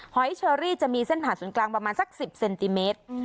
หอยเชอรี่จะมีเส้นผ่านศูนย์กลางประมาณสัก๑๐เซนติเมตร